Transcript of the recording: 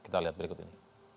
kita lihat berikut ini